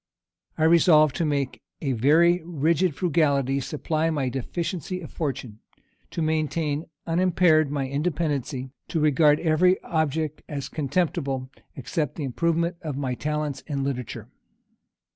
I resolved to make a very rigid frugality supply my deficiency of fortune, to maintain unimpaired my independency, and to regard every object as contemptible, except the improvement of my talents in literature.